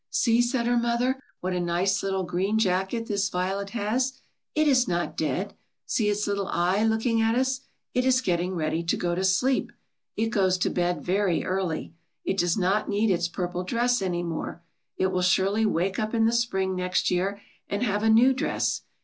"See," said her mother, "what a nice, little green jacket this violet has. It is not dead. See its little eye look ing at us. It is getting ready to go to sleep. It goes to bed very early. It does not need its purple dress any more. It will surely wake up in the spring next year, and have a new dress.